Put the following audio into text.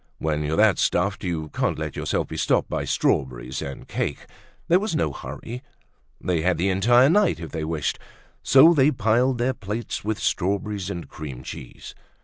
When you're that stuffed, you can't let yourself be stopped by strawberries and cake. There was no hurry. They had the entire night if they wished. So they piled their plates with strawberries and cream cheese.